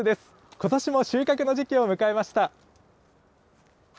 ことしも収穫の時期を迎えました。